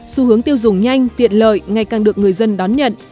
xu hướng tiêu dùng nhanh tiện lợi ngày càng được người dân đón nhận